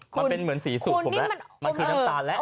มันเป็นเหมือนสีสูตรผมแล้วมันคือน้ำตาลแล้ว